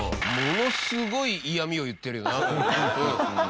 ものすごい嫌みを言ってるよな。